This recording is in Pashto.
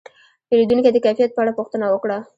پیرودونکی د کیفیت په اړه پوښتنه وکړه.